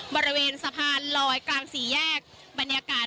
บริเวณสะพานลอยกลางสี่แยกบรรยากาศ